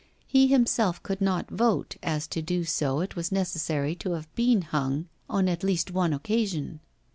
He himself could not vote, as to do so it was necessary to have been 'hung' on at least one occasion.